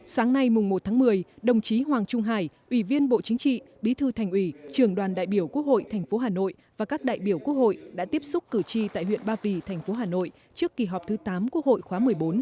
sáng nay mùng một tháng một mươi đồng chí hoàng trung hải ủy viên bộ chính trị bí thư thành ủy trường đoàn đại biểu quốc hội tp hà nội và các đại biểu quốc hội đã tiếp xúc cử tri tại huyện ba vì thành phố hà nội trước kỳ họp thứ tám quốc hội khóa một mươi bốn